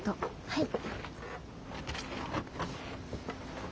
はい！